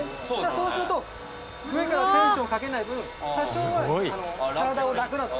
そうすると上からテンションかけない分多少は体を楽。